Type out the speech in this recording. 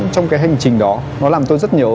trong cái hành trình đó nó làm tôi rất nhiều